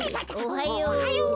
おはよう。